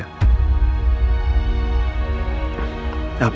aku akan mencintai kamu